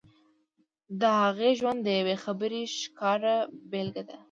د هغې ژوند د يوې خبرې ښکاره بېلګه ده.